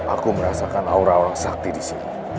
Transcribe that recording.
aku merasakan aura orang sakti di sini